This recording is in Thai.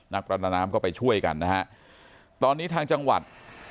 ประนาน้ำก็ไปช่วยกันนะฮะตอนนี้ทางจังหวัด